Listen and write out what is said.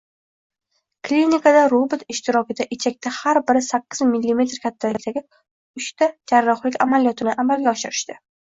Klinikada robot ishtirokida ichakda har biri sakkiz millimetr kattalikdagi uchta jarrohlik amaliyotini amalga oshirishdi.